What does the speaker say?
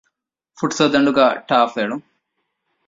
ފުޓްސަލްދަނޑުގައި ޓަރފް އެޅުން